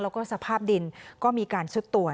แล้วก็สภาพดินก็มีการสุดท่วนนะคะนะคะ